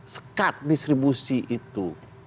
skat distribusi itu